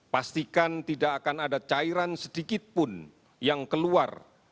pastikan tidak akan ada cairan sedikitpun yang keluar